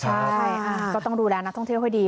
ใช่ก็ต้องดูแลนักท่องเที่ยวให้ดี